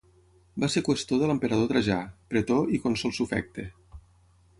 Va ser qüestor de l'emperador Trajà, pretor i cònsol sufecte.